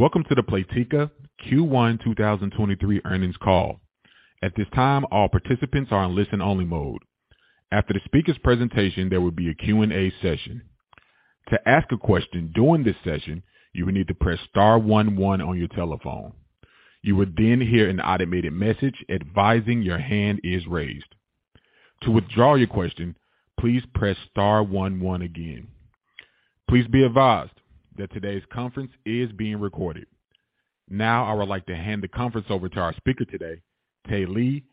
Welcome to the Playtika Q1 2023 earnings call. At this time, all participants are on listen only mode. After the speaker's presentation, there will be a Q&A session. To ask a question during this session, you will need to press star one one on your telephone. You will then hear an automated message advising your hand is raised. To withdraw your question, please press star one one again. Please be advised that today's conference is being recorded. Now, I would like to hand the conference over to our speaker today, Tae Lee,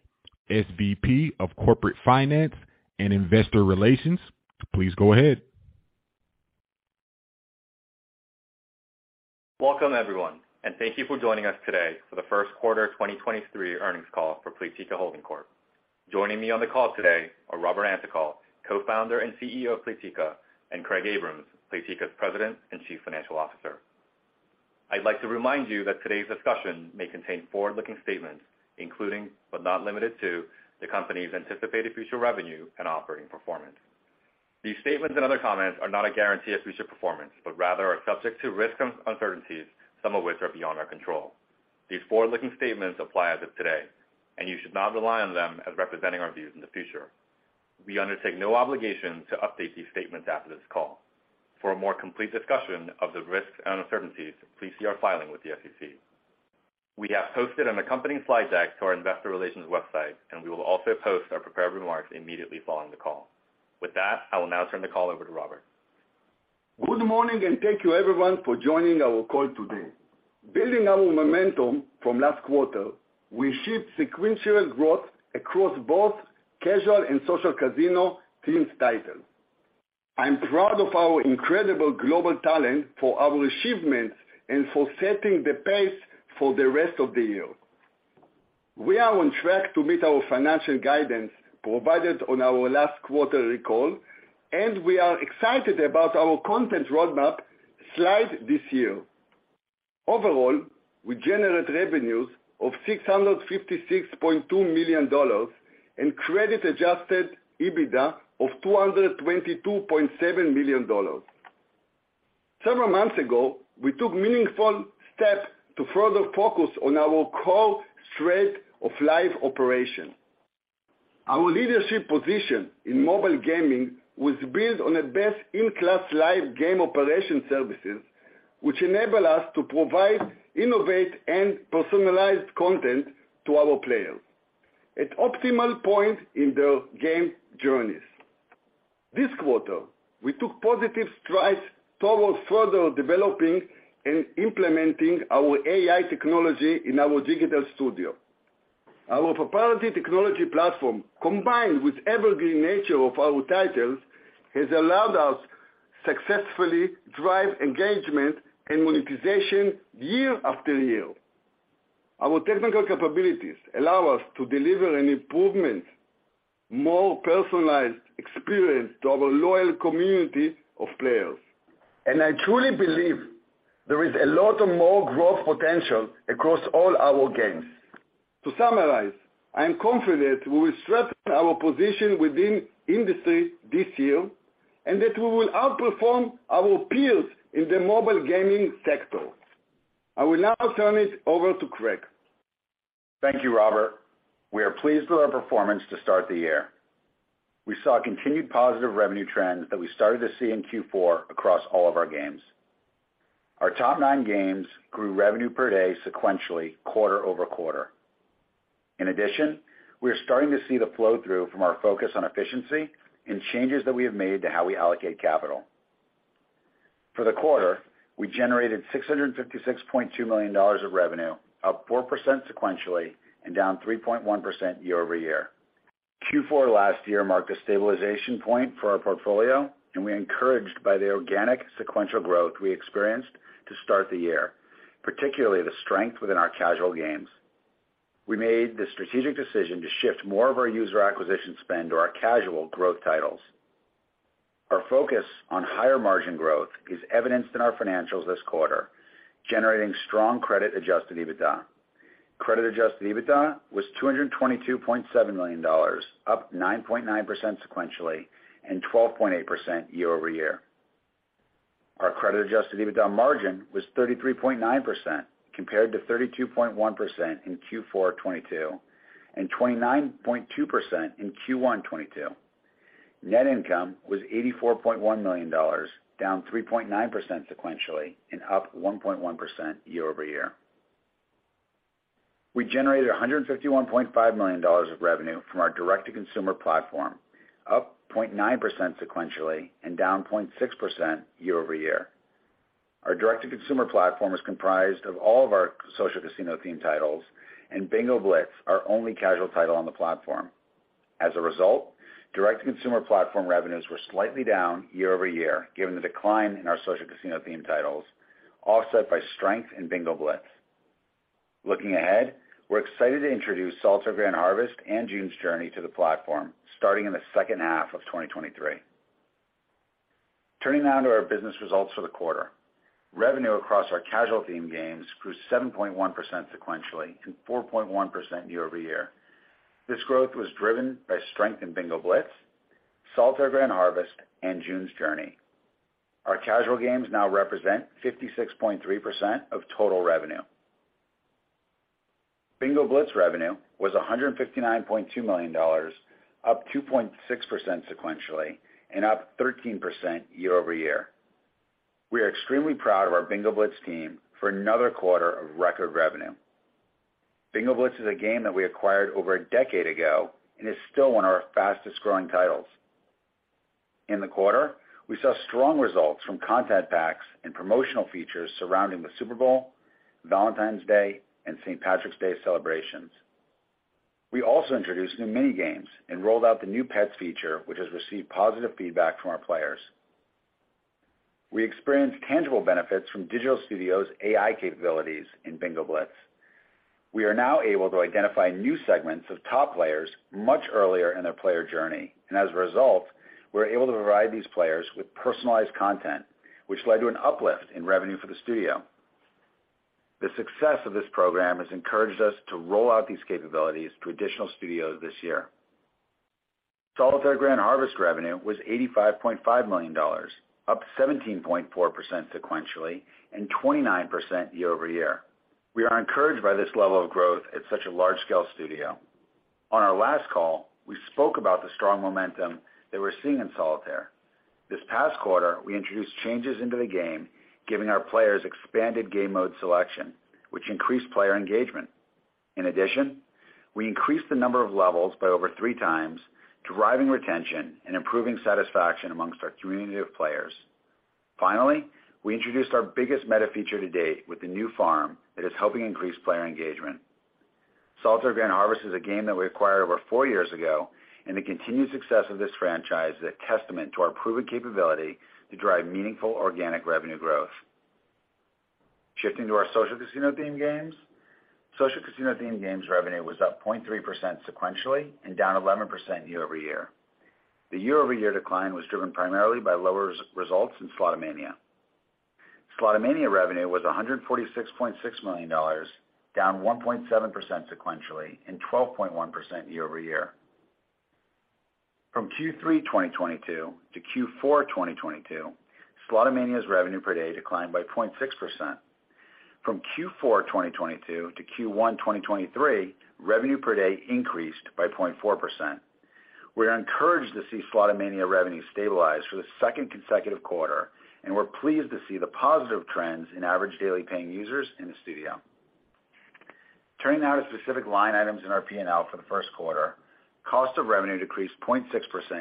SVP of Corporate Finance and Investor Relations. Please go ahead. Welcome, everyone. Thank you for joining us today for The First Quarter 2023 Earnings Call for Playtika Holding Corp. Joining me on the call today are Robert Antokol, Co-founder and CEO of Playtika, and Craig Abrahams, Playtika's President and Chief Financial Officer. I'd like to remind you that today's discussion may contain forward-looking statements, including, but not limited to, the company's anticipated future revenue and operating performance. These statements and other comments are not a guarantee of future performance, but rather are subject to risks and uncertainties, some of which are beyond our control. These forward-looking statements apply as of today, and you should not rely on them as representing our views in the future. We undertake no obligation to update these statements after this call. For a more complete discussion of the risks and uncertainties, please see our filing with the SEC. We have posted an accompanying slide deck to our investor relations website. We will also post our prepared remarks immediately following the call. With that, I will now turn the call over to Robert. Good morning. Thank you everyone for joining our call today. Building on momentum from last quarter, we shipped sequential growth across both casual and social casino themes title. I'm proud of our incredible global talent for our achievements and for setting the pace for the rest of the year. We are on track to meet our financial guidance provided on our last quarterly call. We are excited about our content roadmap slide this year. Overall, we generate revenues of $656.2 million and Credit Adjusted EBITDA of $222.7 million. Several months ago, we took meaningful steps to further focus on our core strength of live operation. Our leadership position in mobile gaming was built on a best-in-class live game operation services, which enable us to provide innovative and personalized content to our players at optimal point in their game journeys. This quarter, we took positive strides towards further developing and implementing our AI technology in our Digital Studio. Our proprietary technology platform, combined with evergreen nature of our titles, has allowed us successfully drive engagement and monetization year after year. Our technical capabilities allow us to deliver an improved, more personalized experience to our loyal community of players. I truly believe there is a lot of more growth potential across all our games. To summarize, I am confident we will strengthen our position within industry this year and that we will outperform our peers in the mobile gaming sector. I will now turn it over to Craig. Thank you, Robert. We are pleased with our performance to start the year. We saw continued positive revenue trends that we started to see in Q4 across all of our games. Our top nine games grew revenue per day sequentially quarter-over-quarter. In addition, we are starting to see the flow through from our focus on efficiency and changes that we have made to how we allocate capital. For the quarter, we generated $656.2 million of revenue, up 4% sequentially and down 3.1% year-over-year. Q4 last year marked a stabilization point for our portfolio, and we're encouraged by the organic sequential growth we experienced to start the year, particularly the strength within our casual games. We made the strategic decision to shift more of our user acquisition spend to our casual growth titles. Our focus on higher margin growth is evidenced in our financials this quarter, generating strong Credit Adjusted EBITDA. Credit Adjusted EBITDA was $222.7 million, up 9.9% sequentially and 12.8% year-over-year. Our Credit Adjusted EBITDA margin was 33.9% compared to 32.1% in Q4 2022, and 29.2% in Q1 2022. Net income was $84.1 million, down 3.9% sequentially and up 1.1% year-over-year. We generated $151.5 million of revenue from our direct-to-consumer platform, up 0.9% sequentially and down 0.6% year-over-year. Our direct-to-consumer platform is comprised of all of our social casino theme titles and Bingo Blitz, our only casual title on the platform. direct-to-consumer platform revenues were slightly down year-over-year, given the decline in our social casino theme titles, offset by strength in Bingo Blitz. Looking ahead, we're excited to introduce Solitaire Grand Harvest and June's Journey to the platform starting in the second half of 2023. Turning now to our business results for the quarter. Revenue across our casual games grew 7.1% sequentially and 4.1% year-over-year. This growth was driven by strength in Bingo Blitz, Solitaire Grand Harvest, and June's Journey. Our casual games now represent 56.3% of total revenue. Bingo Blitz revenue was $159.2 million, up 2.6% sequentially and up 13% year-over-year. We are extremely proud of our Bingo Blitz team for another quarter of record revenue. Bingo Blitz is a game that we acquired over a decade ago and is still one of our fastest-growing titles. In the quarter, we saw strong results from content packs and promotional features surrounding the Super Bowl, Valentine's Day, and St. Patrick's Day celebrations. We also introduced new mini-games and rolled out the new pets feature, which has received positive feedback from our players. We experienced tangible benefits from Digital Studio's AI capabilities in Bingo Blitz. We are now able to identify new segments of top players much earlier in their player journey. As a result, we're able to provide these players with personalized content, which led to an uplift in revenue for the studio. The success of this program has encouraged us to roll out these capabilities to additional studios this year. Solitaire Grand Harvest revenue was $85.5 million, up 17.4% sequentially and 29% year-over-year. We are encouraged by this level of growth at such a large-scale studio. On our last call, we spoke about the strong momentum that we're seeing in Solitaire. This past quarter, we introduced changes into the game, giving our players expanded game mode selection, which increased player engagement. In addition, we increased the number of levels by over 3x, driving retention and improving satisfaction amongst our community of players. Finally, we introduced our biggest meta feature to date with the new farm that is helping increase player engagement. Solitaire Grand Harvest is a game that we acquired over four years ago, and the continued success of this franchise is a testament to our proven capability to drive meaningful organic revenue growth. Shifting to our social casino theme games. Social casino theme games revenue was up 0.3% sequentially and down 11% year-over-year. The year-over-year decline was driven primarily by lower s-results in Slotomania. Slotomania revenue was $146.6 million, down 1.7% sequentially and 12.1% year-over-year. From Q3 2022 to Q4 2022, Slotomania's revenue per day declined by 0.6%. From Q4 2022 to Q1 2023, revenue per day increased by 0.4%. We're encouraged to see Slotomania revenue stabilize for the second consecutive quarter, and we're pleased to see the positive trends in average daily paying users in the studio. Turning now to specific line items in our P&L for the first quarter. Cost of revenue decreased 0.6%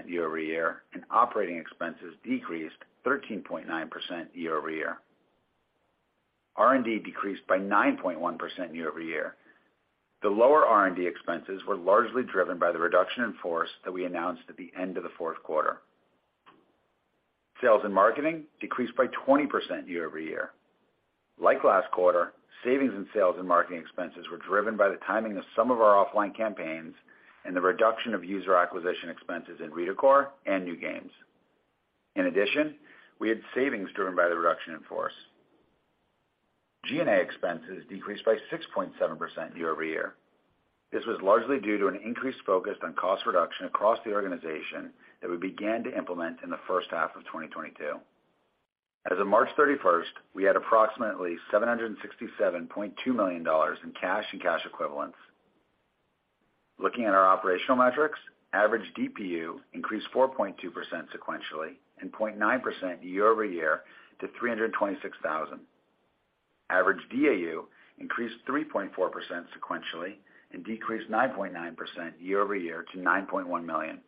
year-over-year, and operating expenses decreased 13.9% year-over-year. R&D decreased by 9.1% year-over-year. The lower R&D expenses were largely driven by the reduction in force that we announced at the end of the fourth quarter. Sales and marketing decreased by 20% year-over-year. Like last quarter, savings in sales and marketing expenses were driven by the timing of some of our offline campaigns and the reduction of user acquisition expenses in Redecor and New Games. In addition, we had savings driven by the reduction in force. G&A expenses decreased by 6.7% year-over-year. This was largely due to an increased focus on cost reduction across the organization that we began to implement in the first half of 2022. As of March 31st, we had approximately $767.2 million in cash and cash equivalents. Looking at our operational metrics, average DPU increased 4.2% sequentially and 0.9% year-over-year to 326,000. Average DAU increased 3.4% sequentially and decreased 9.9% year-over-year to 9.1 million.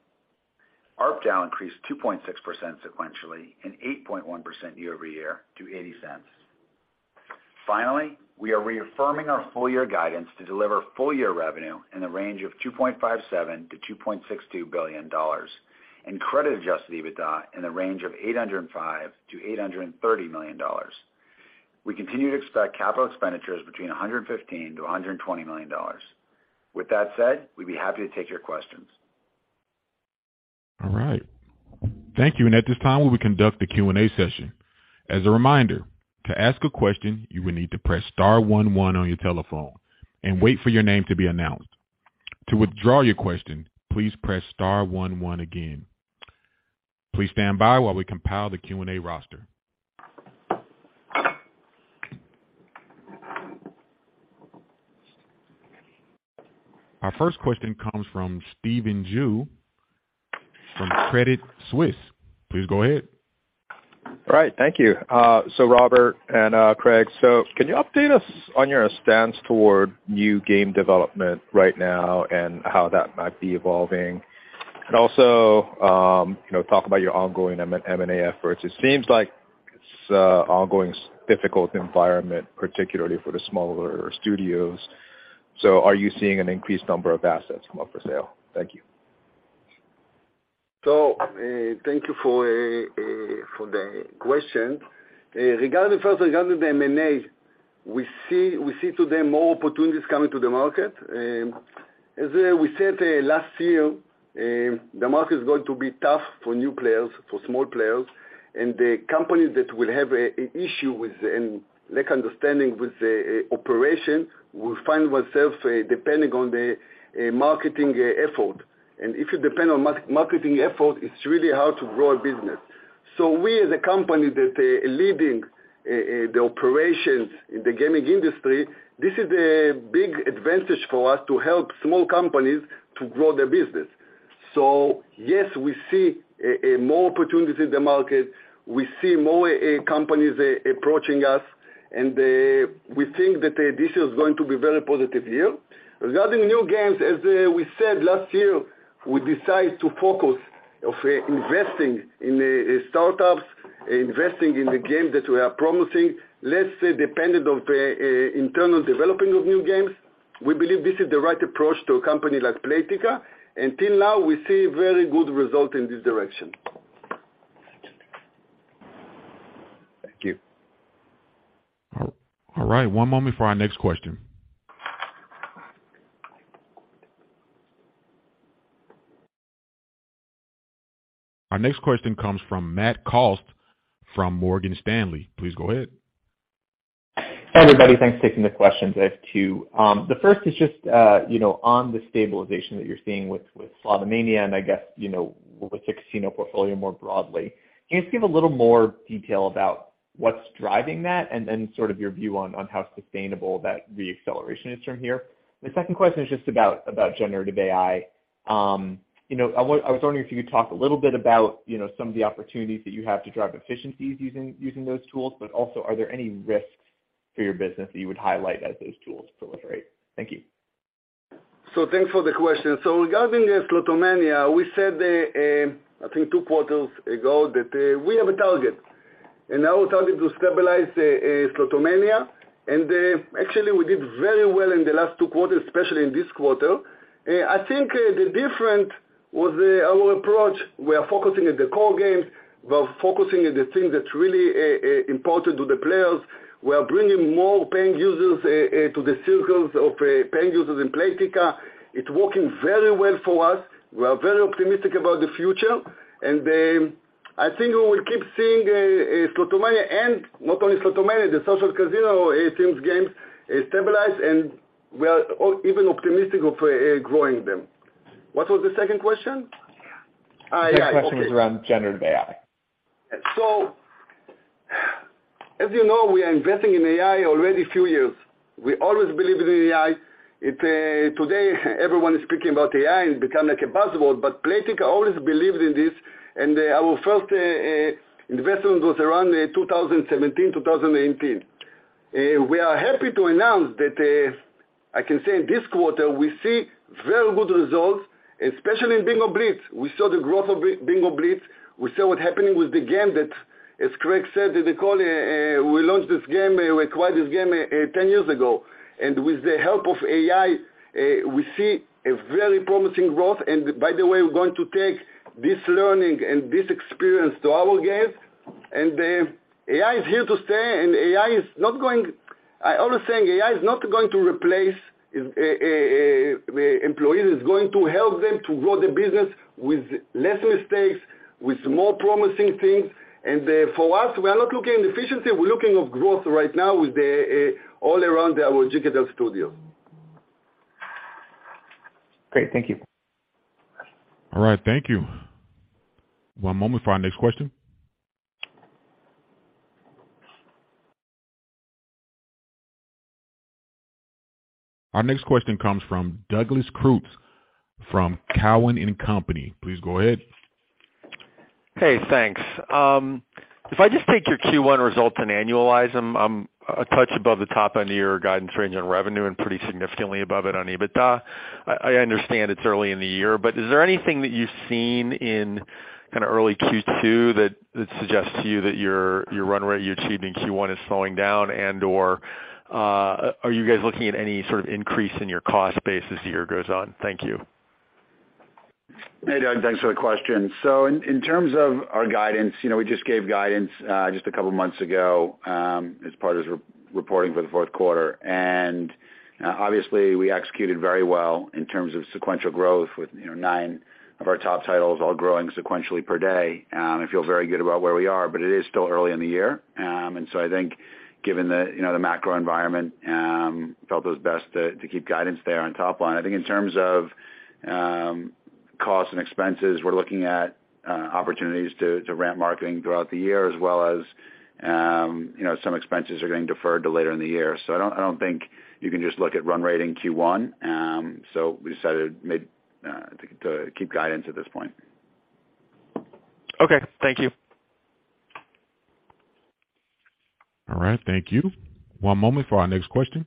ARPDAU increased 2.6% sequentially and 8.1% year-over-year to $0.80. We are reaffirming our full year guidance to deliver full year revenue in the range of $2.57 billion-$2.62 billion and Credit Adjusted EBITDA in the range of $805 million-$830 million. We continue to expect capital expenditures between $115 million-$120 million. With that said, we'd be happy to take your questions. All right. Thank you. At this time, we will conduct the Q&A session. As a reminder, to ask a question, you will need to press star one one on your telephone and wait for your name to be announced. To withdraw your question, please press star one one again. Please stand by while we compile the Q&A roster. Our first question comes from Stephen Ju from Credit Suisse. Please go ahead. All right, thank you. Robert and Craig, can you update us on your stance toward new game development right now and how that might be evolving? You know, talk about your ongoing M&A efforts. It seems like it's an ongoing difficult environment, particularly for the smaller studios. Are you seeing an increased number of assets come up for sale? Thank you. Thank you for the question. Regarding first, regarding the M&A, we see today more opportunities coming to the market. As we said last year, the market is going to be tough for new players, for small players. The companies that will have an issue with and lack understanding with the operation will find themselves depending on the marketing effort. If you depend on marketing effort, it's really hard to grow a business. We as a company that leading the operations in the gaming industry, this is a big advantage for us to help small companies to grow their business. Yes, we see more opportunities in the market. We see more companies approaching us, and we think that this is going to be very positive year. Regarding new games, as we said last year, we decide to focus of investing in startups, investing in the games that we are promising, less dependent of internal developing of new games. We believe this is the right approach to a company like Playtika. Till now, we see very good results in this direction. Thank you. All right. One moment for our next question. Our next question comes from Matt Cost from Morgan Stanley. Please go ahead. Hi, everybody. Thanks for taking the questions. I have two. The first is just, you know, on the stabilization that you're seeing with Slotomania and I guess, you know, with the casino portfolio more broadly. Can you just give a little more detail about what's driving that and then sort of your view on how sustainable that re-acceleration is from here? The second question is just about generative AI. I was wondering if you could talk a little bit about, you know, some of the opportunities that you have to drive efficiencies using those tools, but also are there any risks for your business that you would highlight as those tools proliferate? Thank you. Thanks for the question. Regarding the Slotomania, we said, I think two quarters ago that we have a target. Our target to stabilize Slotomania, and actually, we did very well in the last two quarters, especially in this quarter. I think the different was our approach. We are focusing at the core games. We are focusing on the thing that's really important to the players. We are bringing more paying users to the circles of paying users in Playtika. It's working very well for us. We are very optimistic about the future. I think we will keep seeing Slotomania and not only Slotomania, the social casino, teams games stabilize, and we are even optimistic of growing them. What was the second question? AI, okay. The next question was around generative AI. As you know, we are investing in AI already a few years. We always believed in AI. Today everyone is speaking about AI and become like a buzzword, but Playtika always believed in this. Our first investment was around 2017, 2018. We are happy to announce that I can say this quarter, we see very good results, especially in Bingo Blitz. We saw the growth of Bingo Blitz. We saw what's happening with the game that, as Craig said in the call, we launched this game, we acquired this game, 10 years ago. With the help of AI, we see a very promising growth. By the way, we're going to take this learning and this experience to our games. The AI is here to stay, and I always saying AI is not going to replace employees. It's going to help them to grow their business with less mistakes, with more promising things. For us, we are not looking at efficiency, we're looking of growth right now with the all around our Digital Studio. Great. Thank you. All right. Thank you. One moment for our next question. Our next question comes from Douglas Creutz from Cowen and Company. Please go ahead. Hey, thanks. If I just take your Q1 results and annualize them, I'm a touch above the top end of your guidance range on revenue and pretty significantly above it on EBITDA. I understand it's early in the year, is there anything that you've seen in kind of early Q2 that suggests to you that your run rate you achieved in Q1 is slowing down and/or are you guys looking at any sort of increase in your cost base as the year goes on? Thank you. Hey, Doug. Thanks for the question. In terms of our guidance, you know, we just gave guidance, just a couple months ago, as part as re-reporting for the fourth quarter. Obviously we executed very well in terms of sequential growth with, you know, nine of our top titles all growing sequentially per day. I feel very good about where we are, but it is still early in the year. I think given the, you know, the macro environment, felt it was best to keep guidance there on top line. I think in terms of costs and expenses, we're looking at opportunities to ramp marketing throughout the year as well as, you know, some expenses are getting deferred to later in the year. I don't think you can just look at run rate in Q1. We decided to keep guidance at this point. Okay. Thank you. All right. Thank you. One moment for our next question.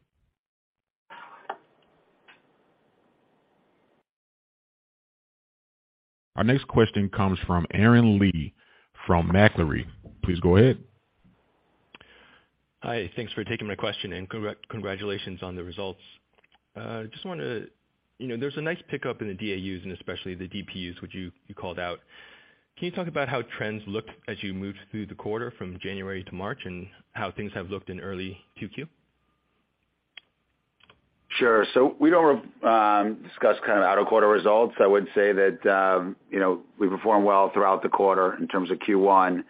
Our next question comes from Aaron Lee from Macquarie. Please go ahead. Hi. Thanks for taking my question, and congratulations on the results. You know, there's a nice pickup in the DAUs and especially the DPUs, which you called out. Can you talk about how trends look as you moved through the quarter from January to March and how things have looked in early 2Q? We don't discuss kind of out of quarter results. I would say that, you know, we perform well throughout the quarter in terms of Q1.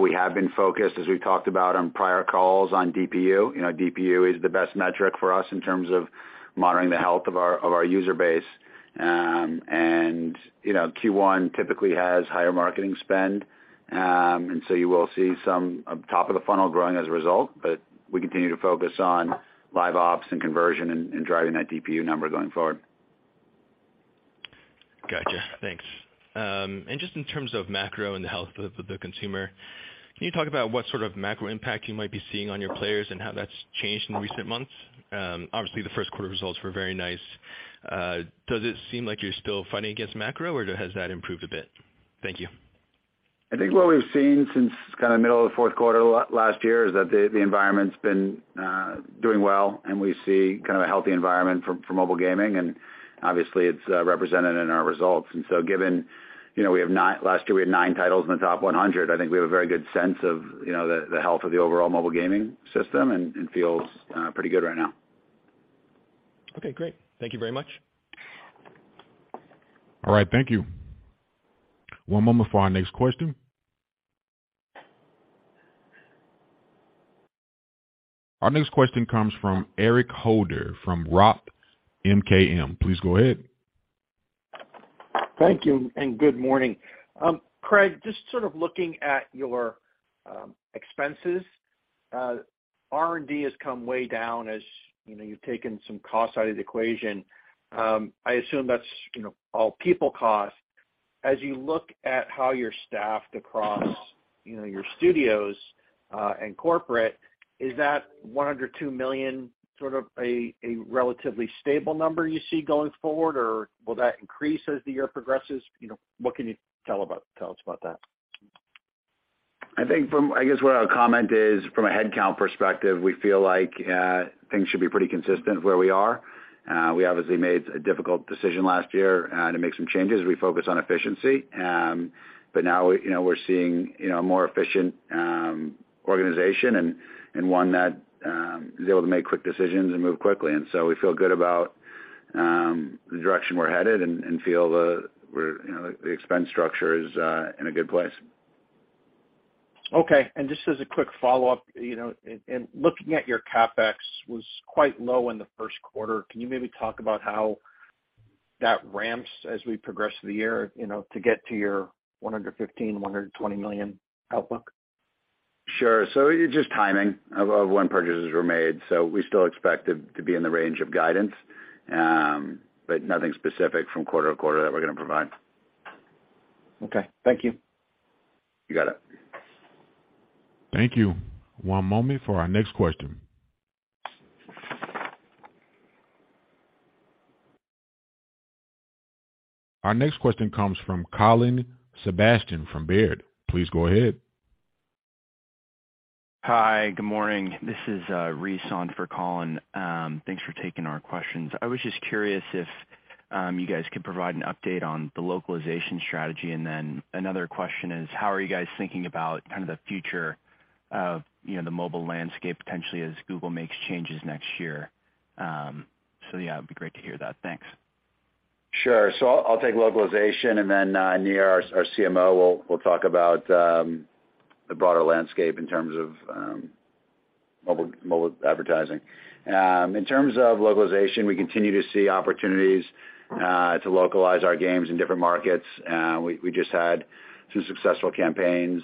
We have been focused, as we talked about on prior calls, on DPU. You know, DPU is the best metric for us in terms of monitoring the health of our, of our user base. And, you know, Q1 typically has higher marketing spend, and so you will see some top of the funnel growing as a result. We continue to focus on live ops and conversion and driving that DPU number going forward. Gotcha. Thanks. Just in terms of macro and the health of the consumer, can you talk about what sort of macro impact you might be seeing on your players and how that's changed in recent months? Obviously, the first quarter results were very nice. Does it seem like you're still fighting against macro, or has that improved a bit? Thank you. I think what we've seen since kind of middle of the fourth quarter last year is that the environment's been doing well and we see kind of a healthy environment for mobile gaming, and obviously, it's represented in our results. Given, you know, we have last year, we had nine titles in the top 100, I think we have a very good sense of, you know, the health of the overall mobile gaming system and feels pretty good right now. Okay, great. Thank you very much. All right. Thank you. One moment for our next question. Our next question comes from Eric Handler from Roth MKM. Please go ahead. Thank you and good morning. Craig, just sort of looking at your expenses, R&D has come way down as, you know, you've taken some cost out of the equation. I assume that's, you know, all people cost. As you look at how you're staffed across, you know, your studios and corporate, is that $102 million sort of a relatively stable number you see going forward, or will that increase as the year progresses? You know, what can you tell us about that? I guess what I'll comment is, from a headcount perspective, we feel like things should be pretty consistent where we are. We obviously made a difficult decision last year to make some changes. We focused on efficiency. Now we, you know, we're seeing, you know, a more efficient organization and one that is able to make quick decisions and move quickly. We feel good about the direction we're headed and feel the we're, you know, the expense structure is in a good place. Okay. Just as a quick follow-up, you know, in looking at your CapEx was quite low in the first quarter. Can you maybe talk about how that ramps as we progress through the year, you know, to get to your $115 million-$120 million outlook? Sure. It's just timing of when purchases were made, so we still expect it to be in the range of guidance. Nothing specific from quarter to quarter that we're going to provide. Okay. Thank you. You got it. Thank you. One moment for our next question. Our next question comes from Colin Sebastian from Baird. Please go ahead. Hi, good morning. This is Reese on for Colin. Thanks for taking our questions. I was just curious if you guys could provide an update on the localization strategy. Another question is, how are you guys thinking about kind of the future of, you know, the mobile landscape potentially as Google makes changes next year? Yeah, it'd be great to hear that. Thanks. Sure. I'll take localization and then Nir, our CMO, will talk about the broader landscape in terms of mobile advertising. In terms of localization, we continue to see opportunities to localize our games in different markets. We just had some successful campaigns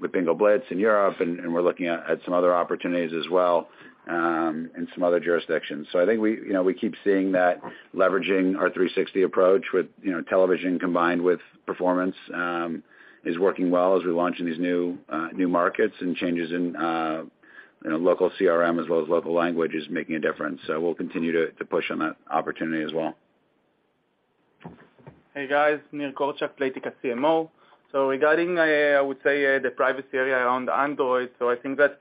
with Bingo Blitz in Europe, and we're looking at some other opportunities as well in some other jurisdictions. I think we, you know, we keep seeing that leveraging our 360 approach with, you know, television combined with performance, is working well as we launch in these new markets and changes in, you know, local CRM as well as local language is making a difference. We'll continue to push on that opportunity as well. Hey, guys. Nir Korczak, Playtika CMO. Regarding, I would say, the privacy area around Android. I think that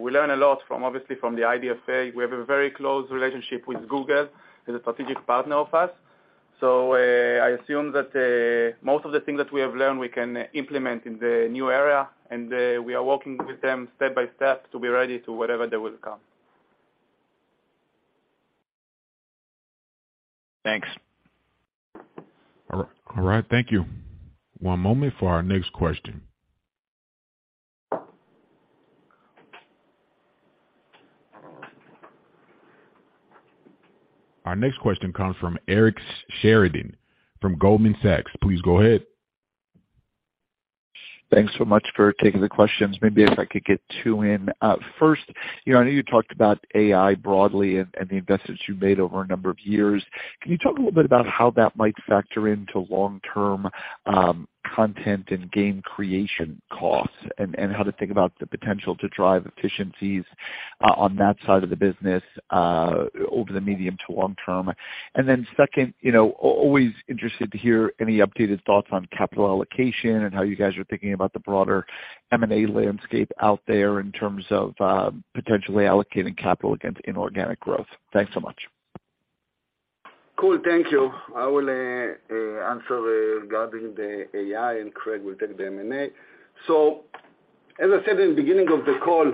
we learn a lot from, obviously from the IDFA. We have a very close relationship with Google as a strategic partner of us. I assume that most of the things that we have learned we can implement in the new area, and we are working with them step by step to be ready to whatever that will come. Thanks. All right. Thank you. One moment for our next question. Our next question comes from Eric Sheridan from Goldman Sachs. Please go ahead. Thanks so much for taking the questions. Maybe if I could get two in. First, you know, I know you talked about AI broadly and the investments you made over a number of years. Can you talk a little bit about how that might factor into long-term content and game creation costs and how to think about the potential to drive efficiencies on that side of the business over the medium to long term? Second, you know, always interested to hear any updated thoughts on capital allocation and how you guys are thinking about the broader M&A landscape out there in terms of potentially allocating capital against inorganic growth. Thanks so much. Cool. Thank you. I will answer regarding the AI. Craig will take the M&A. As I said in the beginning of the call,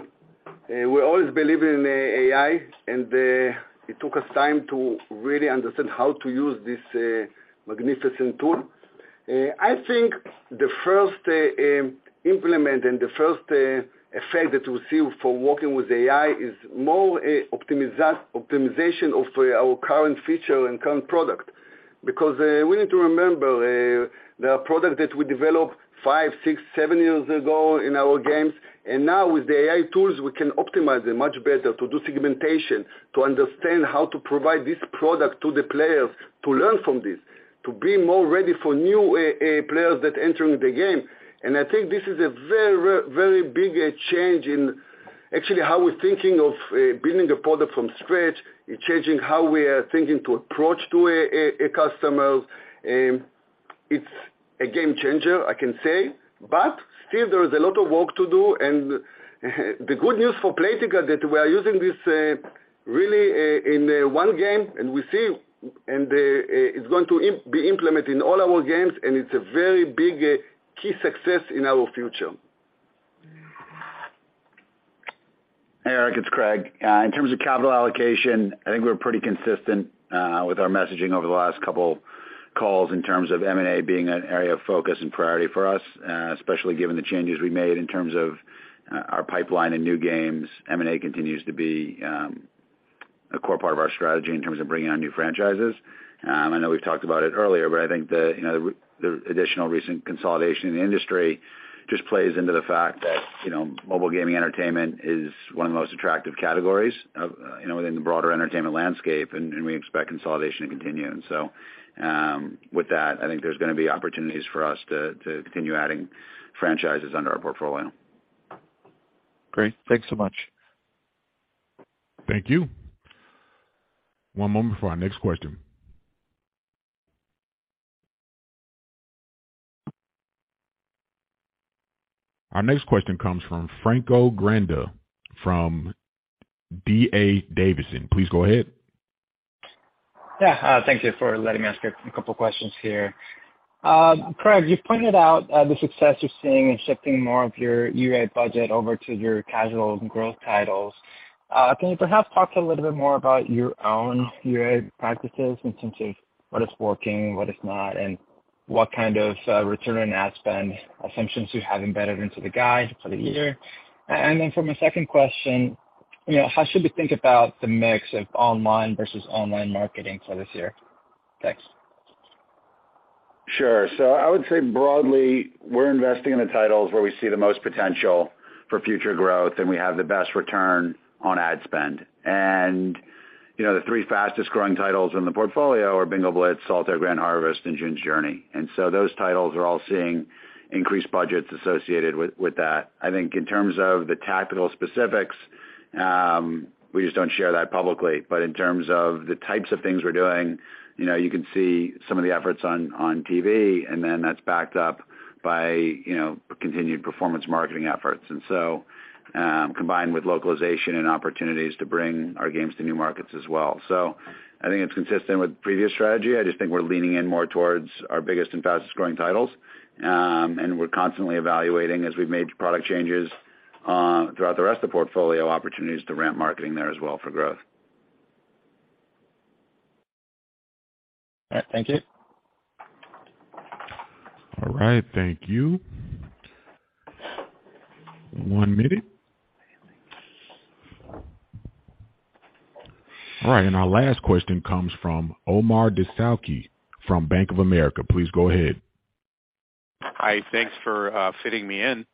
we always believe in AI, and it took us time to really understand how to use this magnificent tool. I think the first implement and the first effect that we see from working with AI is more optimization of our current feature and current product. We need to remember the product that we developed five, six, seven years ago in our games, and now with the AI tools, we can optimize them much better to do segmentation, to understand how to provide this product to the players, to learn from this, to be more ready for new A players that entering the game. I think this is a very big change in actually how we're thinking of building a product from scratch. It changing how we are thinking to approach to a customer. It's a game changer, I can say, but still there is a lot of work to do. The good news for Playtika that we are using this really in one game and we see and it's going to be implemented in all our games, and it's a very big key success in our future. Hey, Eric, it's Craig. In terms of capital allocation, I think we're pretty consistent with our messaging over the last couple calls in terms of M&A being an area of focus and priority for us, especially given the changes we made in terms of our pipeline and new games. M&A continues to be a core part of our strategy in terms of bringing on new franchises. I know we've talked about it earlier, but I think the, you know, the additional recent consolidation in the industry just plays into the fact that, you know, mobile gaming entertainment is one of the most attractive categories of, you know, within the broader entertainment landscape, and we expect consolidation to continue. With that, I think there's gonna be opportunities for us to continue adding franchises under our portfolio. Great. Thanks so much. Thank you. One moment for our next question. Our next question comes from Franco Granda from D.A. Davidson. Please go ahead. Thank you for letting me ask a couple of questions here. Craig, you've pointed out the success you're seeing in shifting more of your UA budget over to your casual growth titles. Can you perhaps talk a little bit more about your own UA practices in terms of what is working, what is not, and what kind of return on ad spend assumptions you have embedded into the guide for the year? For my second question, you know, how should we think about the mix of online versus online marketing for this year? Thanks. Sure. I would say broadly, we're investing in the titles where we see the most potential for future growth, and we have the best return on ad spend. You know, the three fastest-growing titles in the portfolio are Bingo Blitz, Solitaire Grand Harvest, and June's Journey. Those titles are all seeing increased budgets associated with that. I think in terms of the tactical specifics, we just don't share that publicly. But in terms of the types of things we're doing, you know, you can see some of the efforts on TV, and then that's backed up by, you know, continued performance marketing efforts. Combined with localization and opportunities to bring our games to new markets as well. I think it's consistent with previous strategy. I just think we're leaning in more towards our biggest and fastest-growing titles. We're constantly evaluating as we've made product changes, throughout the rest of the portfolio opportunities to ramp marketing there as well for growth. All right. Thank you. All right. Thank you. One minute. All right. Our last question comes from Omar Dessouky from Bank of America. Please go ahead. Hi. Thanks for fitting me in.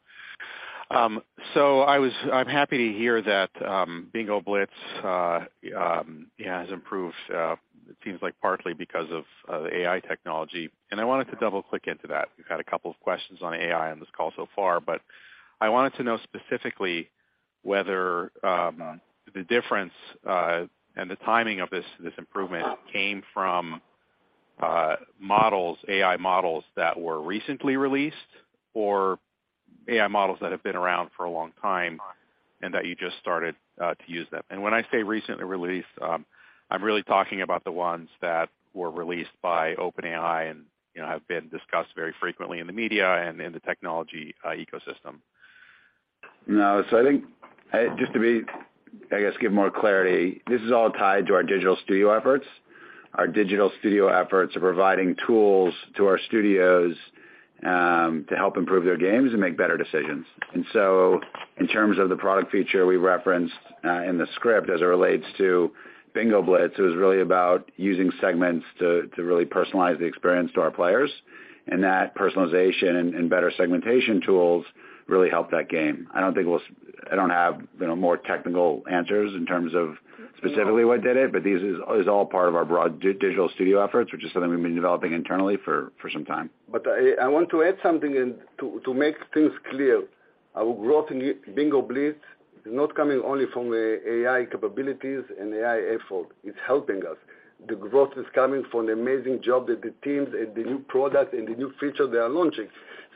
I'm happy to hear that Bingo Blitz has improved, it seems like partly because of the AI technology, and I wanted to double-click into that. We've had a couple of questions on AI on this call so far, but I wanted to know specifically whether the difference and the timing of this improvement came from models, AI models that were recently released or AI models that have been around for a long time and that you just started to use them. When I say recently released, I'm really talking about the ones that were released by OpenAI and, you know, have been discussed very frequently in the media and in the technology ecosystem. No. I think just to be, I guess, give more clarity, this is all tied to our Digital Studio efforts. Our Digital Studio efforts are providing tools to our studios to help improve their games and make better decisions. In terms of the product feature we referenced, in the script as it relates to Bingo Blitz, it was really about using segments to really personalize the experience to our players. That personalization and better segmentation tools really help that game. I don't have, you know, more technical answers in terms of specifically what did it, but this is all part of our broad Digital Studio efforts, which is something we've been developing internally for some time. I want to add something and to make things clear. Our growth in Bingo Blitz is not coming only from AI capabilities and AI effort. It's helping us. The growth is coming from the amazing job that the teams and the new product and the new feature they are launching.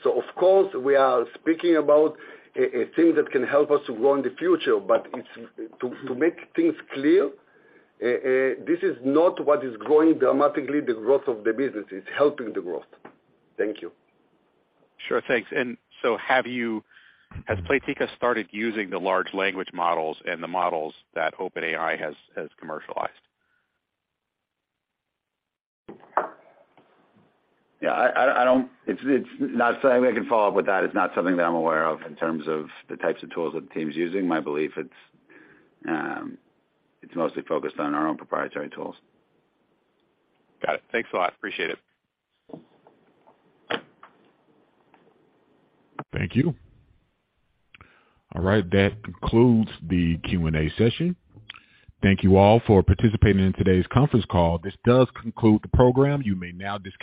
Of course, we are speaking about a thing that can help us to grow in the future, but to make things clear, this is not what is growing dramatically the growth of the business. It's helping the growth. Thank you. Sure. Thanks. Has Playtika started using the large language models and the models that OpenAI has commercialized? Yeah, I don't. It's not something I can follow up with that. It's not something that I'm aware of in terms of the types of tools that the team's using. My belief it's mostly focused on our own proprietary tools. Got it. Thanks a lot. Appreciate it. Thank you. All right. That concludes the Q&A session. Thank you all for participating in today's conference call. This does conclude the program. You may now disconnect.